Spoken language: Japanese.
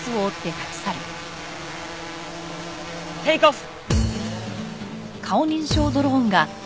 テイクオフ！